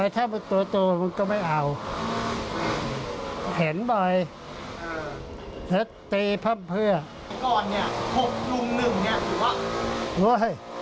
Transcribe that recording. ก่อนโปะลุงหนึ่งคือว่า